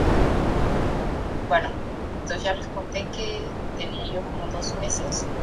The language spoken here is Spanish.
Se destacó por sus humorísticos, a veces autobiográficos ensayos de no ficción.